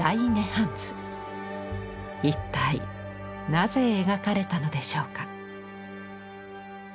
一体なぜ描かれたのでしょうか？